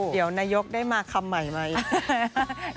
เดี๋ยวนายกได้มาคำใหม่มาอีก